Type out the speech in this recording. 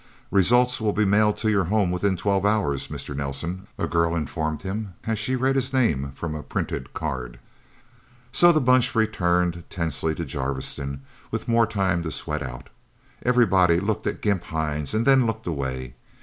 "Results will be mailed to your home within twelve hours Mr. Nelsen," a girl informed him as she read his name from a printed card. So the Bunch returned tensely to Jarviston, with more time to sweat out. Everybody looked at Gimp Hines and then looked away.